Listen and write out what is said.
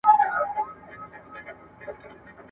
د خزان په موسم کي ,